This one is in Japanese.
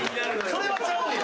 それはちゃうんや。